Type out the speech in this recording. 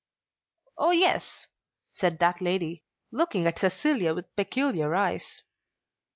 "Oh, yes!" said that lady, looking at Cecilia with peculiar eyes.